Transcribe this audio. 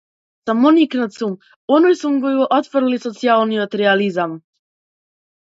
Самоникнат сум, оној сум кој го отфрли социјалниот реализам.